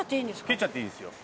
切っちゃっていいですよ。